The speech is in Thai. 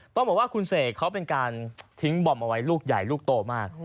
ต้องบอกว่าคุณเสกเขาเป็นการทิ้งบอมเอาไว้ลูกใหญ่ลูกโตมาก